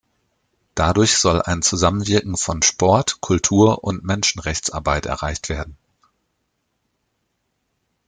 Dadurch soll ein Zusammenwirken von Sport, Kultur und Menschenrechtsarbeit erreicht werden.